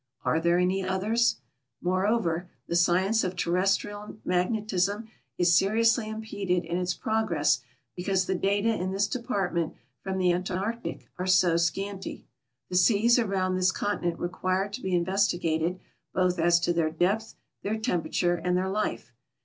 Are there any others? Moreover, tlie science of terrestrial magnetism is seriously impeded in its progress because the data in this department from the Antarctic are so scanty. The seas around this continent require to he investi gated both as to their depth, their temperature, and their life.